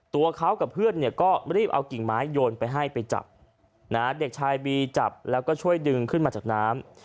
ตัวเขากับเพื่อนเนี่ยก็รีบเอากิ่งไม้โยนไปให้ไปจับเด็กชายบีจับแล้วก็ช่วยดึงขึ้นมาจากน้ำ